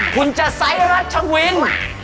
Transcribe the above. คุณจะไซส์รัชวิน